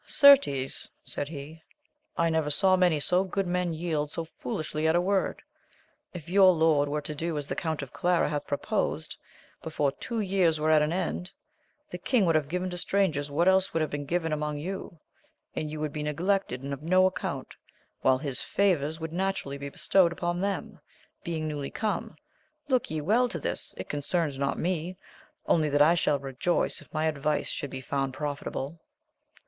Certes, said he, I never saw many so good men yield so foolishly at a word ! If your lord were to do as the Count of Clara hath proposed, before two years were at an end, the king would have given to strangers what else would have been given among you, and you would be neglected and of no account, while his favours would naturally be bestowed upon them, being newly come : look ye well to this ! it concerns not me ; only that I shall rejoice if my advice should be found profitable.